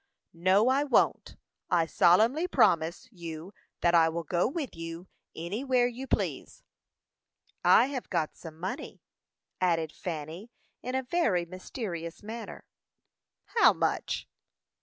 "No, I won't; I solemnly promise you that I will go with you anywhere you please." "I have got some money," added Fanny, in a very mysterious manner. "How much?"